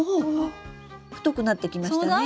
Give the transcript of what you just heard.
太くなってきましたね。